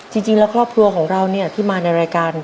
จริงแล้วครอบครัวของเราเนี่ยที่มาในรายการ